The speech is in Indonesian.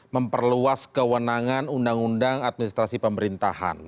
memperluas kewenangan undang undang administrasi pemerintahan